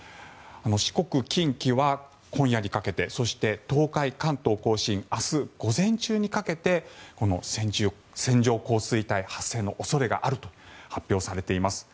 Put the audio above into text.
四国、近畿は今夜にかけてそして東海、関東・甲信は明日午前中にかけて線状降水帯発生の恐れがあると発表されています。